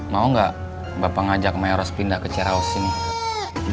mau gak bapak ngajak meros pindah ke ceraus ini